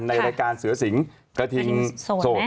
ในรายการเสือสิงกระทิงโสด